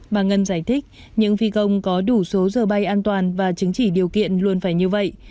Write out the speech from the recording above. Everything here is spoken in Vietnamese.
bà ngân giải thích những phi công có đủ số giờ bay an toàn và chứng chỉ điều kiện luôn phải như vậy